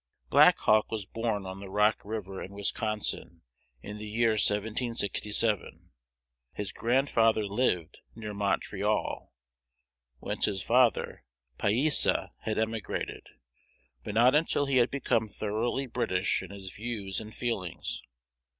Black Hawk was born on the Rock River in Wisconsin, in the year 1767. His grandfather lived near Montreal, whence his father Pyesa had emigrated, but not until he had become thoroughly British in his views and feelings.